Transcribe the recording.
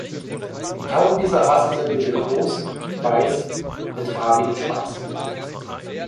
Die Tauben dieser Rasse sind mittelgroß, weiß mit farbigem Schwanz.